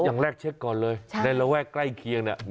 อย่างแรกเช็คก่อนเลยในระแวกใกล้เคียงเนี่ย